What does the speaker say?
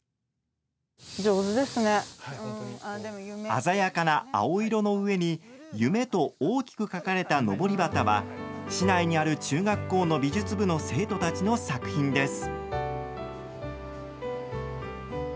鮮やかな青色の上に夢と大きく書かれたのぼり旗は市内にある中学校の美術部の生徒たちの作品です。